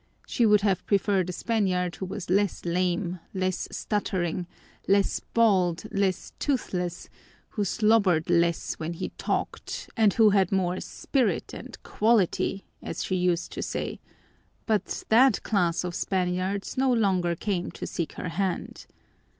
She would have preferred a Spaniard who was less lame, less stuttering, less bald, less toothless, who slobbered less when he talked, and who had more "spirit" and "quality," as she used to say, but that class of Spaniards no longer came to seek her hand.